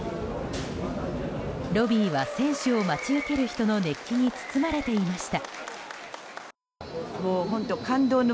ロビーは選手を待ち受ける人の熱気に包まれていました。